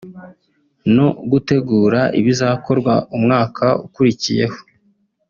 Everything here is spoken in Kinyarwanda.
no gutegura ibizakorwa umwaka ukurikiyeho